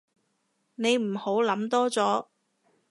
你唔好諗多咗